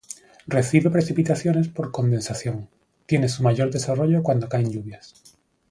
Recibe precipitaciones por condensación, tiene su mayor desarrollo cuando caen lluvias.